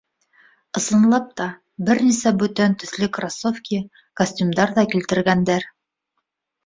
Ысынлап та, бер нисә бүтән төҫлө кроссовки, костюмдар ҙа килтергәндәр.